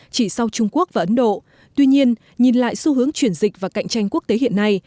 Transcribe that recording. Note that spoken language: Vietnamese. chỉ sau trung quốc và ấn độ tuy nhiên nhìn lại xu hướng chuyển dịch và cạnh tranh quốc tế hiện nay